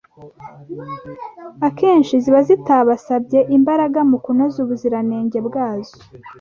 akenshi ziba zitabasabye imbaraga mu kunoza ubuziranenge bwazo